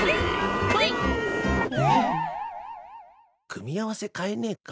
組み合わせ変えねえか？